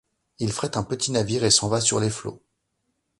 Il frête un petit navire et s'en va sur les flots.